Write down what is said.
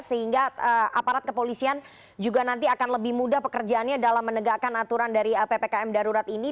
sehingga aparat kepolisian juga nanti akan lebih mudah pekerjaannya dalam menegakkan aturan dari ppkm darurat ini